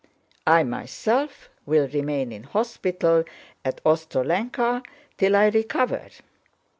I myself will remain in hospital at Ostrolenka till I recover.